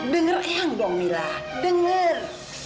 dengar eang mila dengar